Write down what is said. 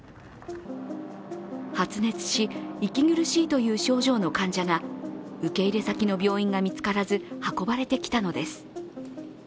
発熱し、息苦しいという症状の患者が受け入れ先の病院が見つからず運ばれてきたのです。